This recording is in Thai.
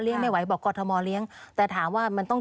เอาอย่างไรค่ะเอาระยะสั้นนะ